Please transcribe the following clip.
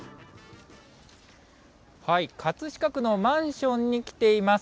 葛飾区のマンションに来ています。